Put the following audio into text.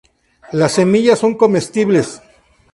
Las semillas son comestibles.